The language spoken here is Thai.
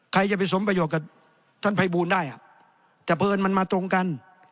ใครจะไปสมประโยชน์กับท่านพัยบูรณ์ได้แต่เพราะเอิญมันมาตรงกัน